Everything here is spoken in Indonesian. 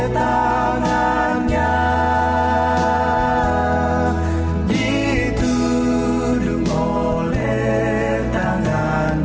yang naungi pasir daga